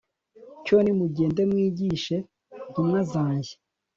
cyo nimugende mwigishe, ntumwa zanjye